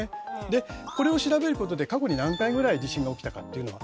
でこれを調べることで過去に何回ぐらい地震が起きたかっていうのは。